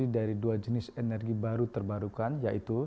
dari dua jenis energi baru terbarukan yaitu